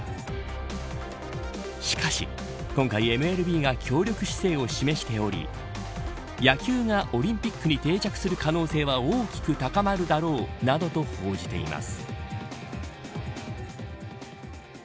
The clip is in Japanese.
しかし今回ＭＬＢが協力姿勢を示しており野球がオリンピックに定着する可能性は大きく高まるだろうなどと報じています。